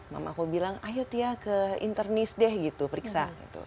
mama aku bilang ayo tia ke internis deh gitu periksa gitu